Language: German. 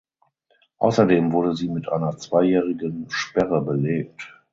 Außerdem wurde sie mit einer zweijährigen Sperre belegt.